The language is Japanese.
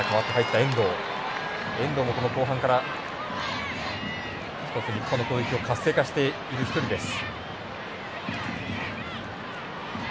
遠藤も後半から日本の攻撃を活性化している一人です。